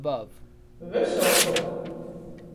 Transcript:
Veselnuok.